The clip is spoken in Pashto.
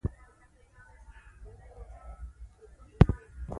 دا د برېټانیا له شمالي پولې څخه و